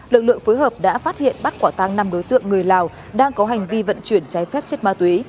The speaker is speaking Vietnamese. lực lượng phối hợp đã phát hiện bắt quả tăng năm đối tượng người lào đang có hành vi vận chuyển trái phép chất ma túy